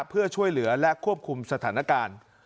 เพื่อช่วยเหลือและควบคุมสถานการณ์